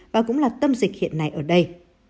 và cũng là tâm dịch hiện nay ở đây